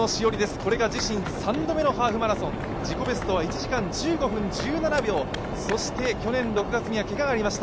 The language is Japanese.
これが自身３度目のハーフマラソン自己ベストは１時間１５分１７秒そして去年６月にはけががありました。